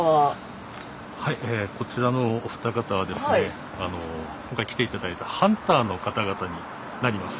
はいこちらのお二方はですね今回来て頂いたハンターの方々になります。